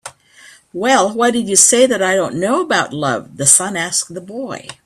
"Well, why did you say that I don't know about love?" the sun asked the boy.